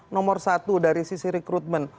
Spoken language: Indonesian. nomor satu dari sisi rekrutmen